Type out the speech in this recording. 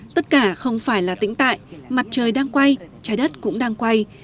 tất cả không phải là tĩnh tại mặt trời đang quay trái đất cũng đang quay